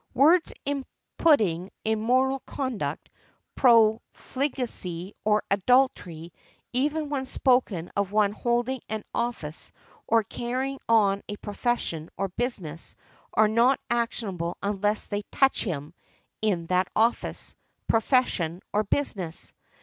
Words imputing immoral conduct, profligacy or adultery, even when spoken of one holding an office or carrying on a profession or business, are not actionable unless they "touch him" in that office, profession or business.